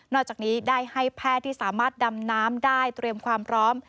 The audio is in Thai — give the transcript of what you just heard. จากนี้ได้ให้แพทย์ที่สามารถดำน้ำได้เตรียมความพร้อม